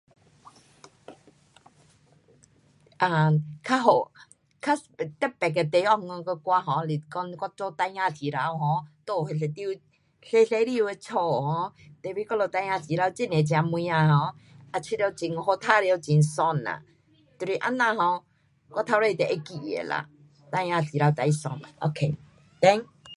um 较好，um 较特别的地方跟我 um 是讲我做孩儿时头 um 住那一间小小间的家 um，我们孩儿时头很多姐妹儿 um，也觉得很好玩耍很爽啦，就是这样 um 我透底都会记得啦，孩儿时头最爽。ok. then